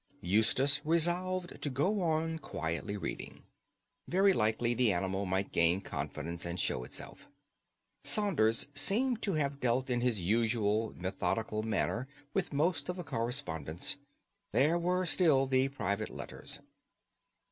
Eustace resolved to go on quietly reading. Very likely the animal might gain confidence and show itself. Saunders seemed to have dealt in his usual methodical manner with most of the correspondence. There were still the private letters.